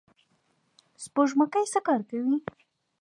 سپوږمکۍ څه کار کوي؟